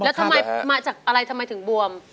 แล้วมาจากอะไรทำไมถึงบวม